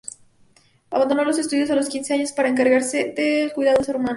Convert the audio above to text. Abandonó los estudios a los quince años, para encargarse del cuidado de su hermana.